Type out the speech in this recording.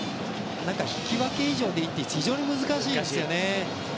引き分け以上でいいって非常に難しいんですよね。